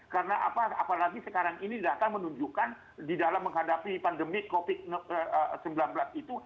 karena apalagi sekarang ini data menunjukkan di dalam menghadapi pandemi covid sembilan belas itu